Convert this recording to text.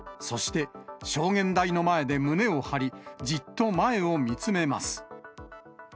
そして、証言台の前で胸を張り、じっと前を見つめます。